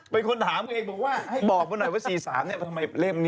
เลขในเฟศค่ะ